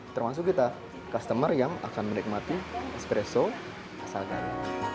termasuk kita customer yang akan menikmati espresso asal gayo